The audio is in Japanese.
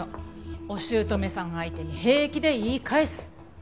お姑さん相手に平気で言い返す。